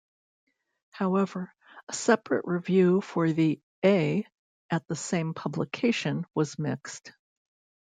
However, a separate review for the "A" at the same publication was mixed.